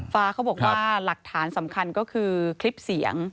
เขาบอกว่าหลักฐานสำคัญก็คือคลิปเสียง